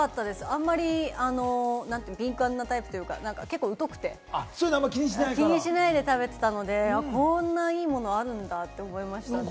あまり敏感なタイプというか、結構疎くて、気にしないで食べてたので、こんないいものあるんだって思いましたね。